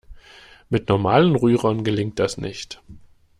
Mit normalen Rührern gelingt das nicht.